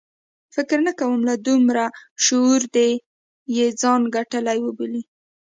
فکر نه کوم له دومره شعور دې یې ځان ګټلی وبولي.